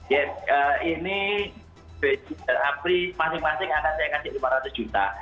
ya ini greysia dan apri masing masing akan saya kasih lima ratus juta